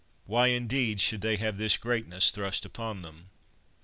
Why indeed should they have this greatness thrust upon them?